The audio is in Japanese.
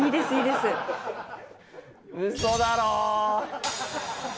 うそだろー。